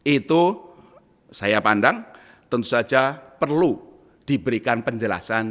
itu saya pandang tentu saja perlu diberikan penjelasan